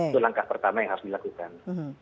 itu langkah pertama yang harus dilakukan